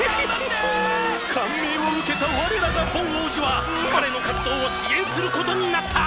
「感銘を受けた我らがボン王子は彼の活動を支援することになった！！」